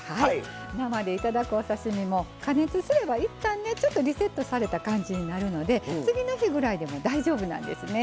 生で頂くお刺身も加熱すればいったんねちょっとリセットされた感じになるので次の日ぐらいでも大丈夫なんですね。